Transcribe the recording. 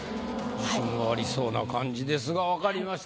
自信がありそうな感じですがわかりました。